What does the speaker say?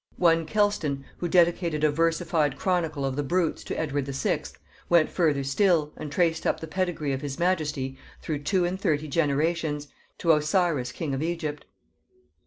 One Kelston, who dedicated a versified chronicle of the Brutes to Edward VI., went further still, and traced up the pedigree of his majesty through two and thirty generations, to Osiris king of Egypt.